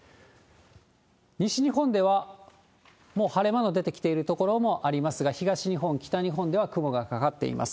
西日本では、もう晴れ間の出てきている所もありますが、東日本、北日本では雲がかかっています。